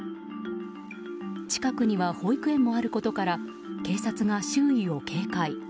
近くには保育園もあることから警察が周囲を警戒。